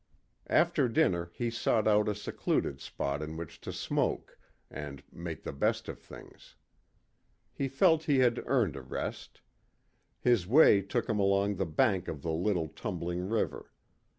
After dinner he sought out a secluded spot in which to smoke and make the best of things. He felt he had earned a rest. His way took him along the bank of the little tumbling river.